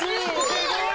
すごい！